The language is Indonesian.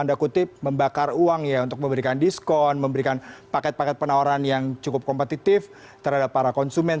tanda kutip membakar uang ya untuk memberikan diskon memberikan paket paket penawaran yang cukup kompetitif terhadap para konsumen